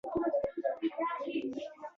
استقلال اهمیت خبرې کولې